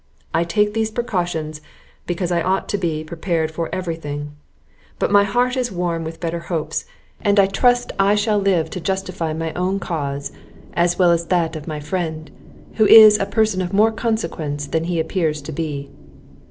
I take these precautions, because I ought to be prepared for every thing; but my heart is warm with better hopes, and I trust I shall live to justify my own cause, as well as that of my friend, who is a person of more consequence than he appears to be."